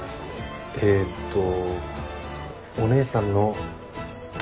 えーっとお姉さんの友達。